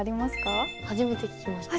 初めて聞きました。